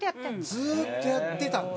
ずっとやってたんだ。